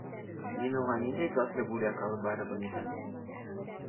Мин уға ниндәй затлы бүләк алып барырмын икән һуң?